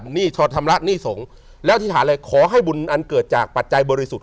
หนี้ชอดชำระหนี้สงฆ์แล้วอธิษฐานเลยขอให้บุญอันเกิดจากปัจจัยบริสุทธิ์